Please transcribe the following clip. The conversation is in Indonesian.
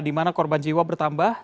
dimana korban jiwa bertambah